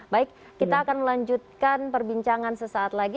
baik kita akan melanjutkan perbincangan sesaat lagi